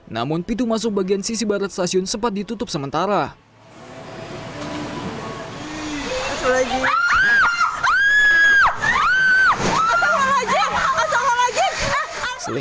sehingga merobohkan pelafon stasiun kereta api